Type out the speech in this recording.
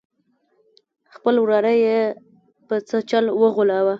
خپل وراره یې په څه چل وغولاوه.